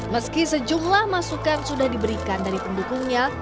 meski sejumlah masukan sudah diberikan dari pendukungnya